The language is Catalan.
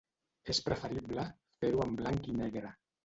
És preferible fer-ho en blanc i negre.